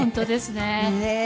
ねえ！